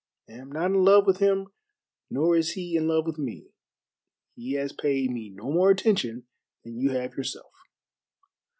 I am not in love with him, nor is he in love with me. He has paid me no more attention than you have yourself."